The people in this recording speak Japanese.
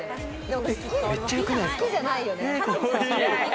めっちゃ良くないですか？